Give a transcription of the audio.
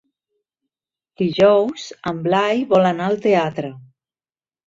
Dijous en Blai vol anar al teatre.